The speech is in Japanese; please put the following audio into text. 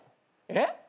えっ？